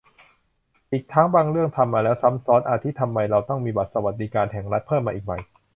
อีกทั้งบางเรื่องทำมาแล้ว ซ้ำซ้อน อาทิ ทำไมเราต้องมีบัตรสวัสดิการแห่งรัฐ เพิ่มมาอีกใบ